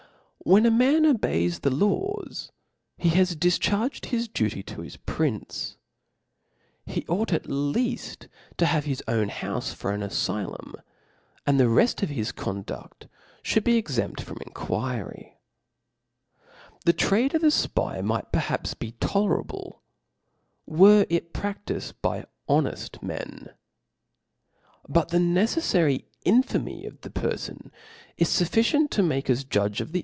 When a man obeys the laws,' he has difcharged his duty to his prince, He ought at leaft to have his own houfe for an afylum, ^nd the reft pf his conduft |hould be ^xempt from inquiry. The trade of a fpy might perhaps be tolerable;, were it pradlifcd by honed: O F 1/ A W S.' ^. imni but the nece0ary inCamy of. ^apecfon b ^qok^ fMfficicnno tnake ys judge .of the.